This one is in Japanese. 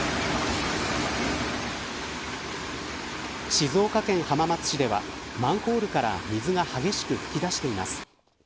静岡県浜松市ではマンホールから水が激しく噴き出しています。